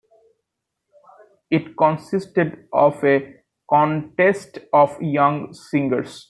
It consisted of a contest of young singers.